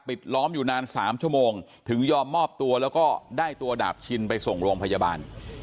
ล้อมอยู่นาน๓ชั่วโมงถึงยอมมอบตัวแล้วก็ได้ตัวดาบชินไปส่งโรงพยาบาล